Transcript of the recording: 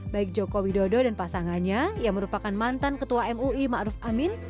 baik joko widodo dan pasangannya yang merupakan mantan ketua mui ma'ruf amin